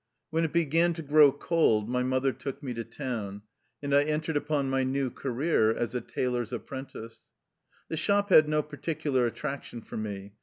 When it began to grow cold my mother took me to town, and I entered upon my new career as a tailor's apprentice. The shop had no particular attraction for me.